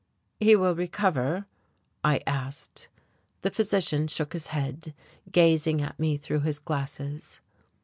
"He will recover?" I asked. The physician shook his head, gazing at me through his glasses.